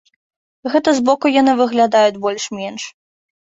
Гэта збоку яны выглядаюць больш-менш.